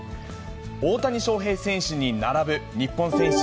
大谷翔平選手に並ぶ日本選手